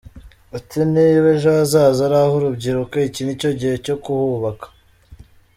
Ati: "Niba ejo hazaza ari ah'urubyiruko, iki ni cyo gihe cyo kuhubaka.